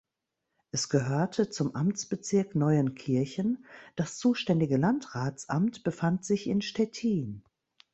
Es gehörte zum Amtsbezirk Neuenkirchen; das zuständige Landratsamt befand sich in Stettin.